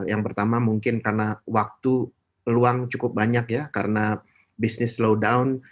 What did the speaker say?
yang pertama mungkin karena waktu peluang cukup banyak ya karena bisnis low down